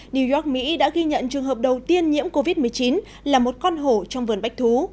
new york mỹ đã ghi nhận trường hợp đầu tiên nhiễm covid một mươi chín là một con hổ trong vườn bách thú